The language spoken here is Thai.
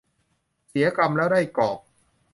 เสียกำแล้วได้กอบ